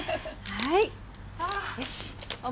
はい。